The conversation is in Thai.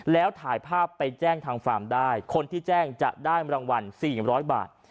แล้วถ่ายภาพไปแจ้งทางฟาร์มได้คนที่แจ้งจะได้รางวัล๔๐๐บาท